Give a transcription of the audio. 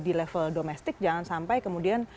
di level domestik jangan sampai kemudian